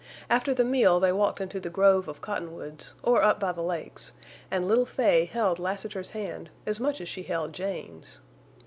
After the meal they walked into the grove of cottonwoods or up by the lakes, and little Fay held Lassiter's hand as much as she held Jane's.